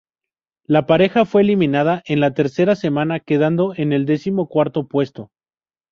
La pareja fue eliminada en la tercera semana, quedando en el decimocuarto puesto.